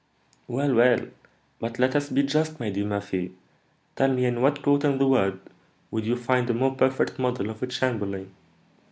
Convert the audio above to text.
"Well, well; but let us be just, my dear Murphy: tell me, in what court in the world would you find a more perfect model of a chamberlain?